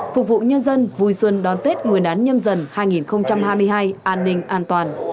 phục vụ nhân dân vui xuân đón tết nguyên đán nhâm dần hai nghìn hai mươi hai an ninh an toàn